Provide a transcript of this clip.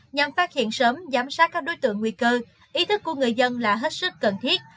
nhằm phát hiện sớm giám sát các đối tượng nguy cơ ý thức của người dân là hết sức cần thiết